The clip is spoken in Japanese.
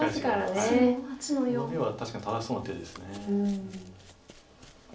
ノビは確かに正しそうな手です。